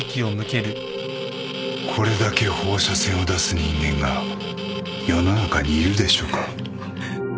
これだけ放射線を出す人間が世の中にいるでしょうか。